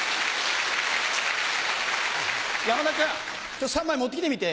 山田君ちょっと３枚持ってきてみて。